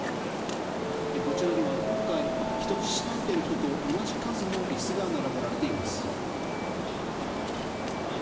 こちらには今回、人質となっている人と同じ数のいすが並べられています。